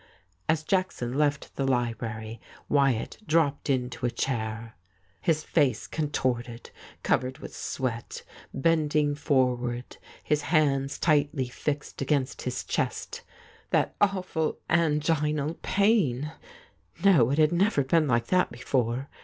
As Jackson left the library Wyatt dropped into a chair, his face con 2>^ THIS IS ALL torted, covered with sweat, bending forward, his hands tightly fixed against his chest. That awful anginal pain ! No, it had never been like that before.